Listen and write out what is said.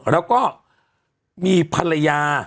แล้วก็มีภรรยา